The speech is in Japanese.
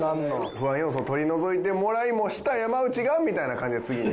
「不安要素を取り除いてもらいもした山内が」みたいな感じで次に。